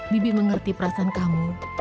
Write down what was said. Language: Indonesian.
bibi mengerti perasaan kamu